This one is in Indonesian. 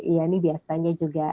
ini biasanya juga